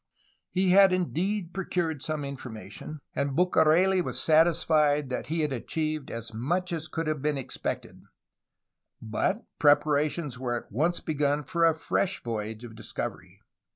He had indeed procured some information, and Bucareli was satisfied that he had achieved as much as could have been expected, but preparations were at once begun for a fresh voyage of dis covery.